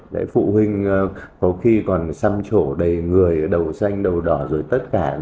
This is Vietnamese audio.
để phụ huynh có khi còn xăm chỗ đầy người đầu xanh đầu đỏ rồi tất cả